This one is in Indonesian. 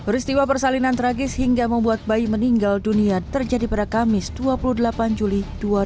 peristiwa persalinan tragis hingga membuat bayi meninggal dunia terjadi pada kamis dua puluh delapan juli dua ribu dua puluh